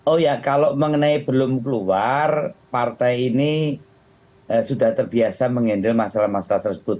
oh ya kalau mengenai belum keluar partai ini sudah terbiasa mengendal masalah masalah tersebut